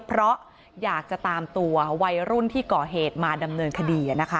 เพราะอยากจะตามตัววัยรุ่นที่ก่อเหตุมาดำเนินคดีนะคะ